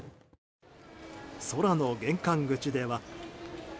空の玄関口では。